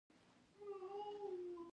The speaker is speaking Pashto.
د زده کړې وخت د ښوونځي د نظم سره سم و.